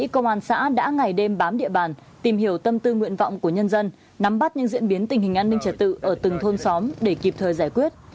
công an xã đã ngày đêm bám địa bàn tìm hiểu tâm tư nguyện vọng của nhân dân nắm bắt những diễn biến tình hình an ninh trật tự ở từng thôn xóm để kịp thời giải quyết